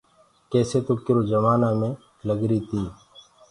ڪيسي تو ڪِرو جمآنآ مين لَگريٚ تيٚ۔